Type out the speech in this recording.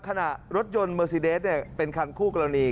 ขณะรถยนต์เมอร์ซีเดสเป็นคันคู่กรณี